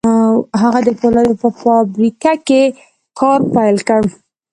هغه د پولادو په فابريکه کې کار پيل کړ.